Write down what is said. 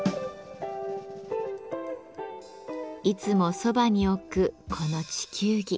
いつもそばに置くこの地球儀。